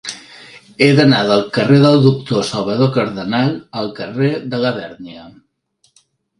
He d'anar del carrer del Doctor Salvador Cardenal al carrer de Labèrnia.